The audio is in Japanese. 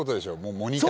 モニターが。